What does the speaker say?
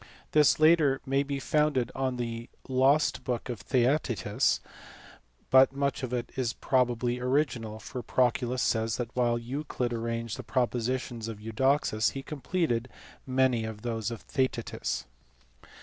This latter may be founded on the lost book of Theaetetus ; but much of it is probably original, for Proclus says that while Euclid arranged the propositions of Eudoxus he completed many of those of Theaetetus.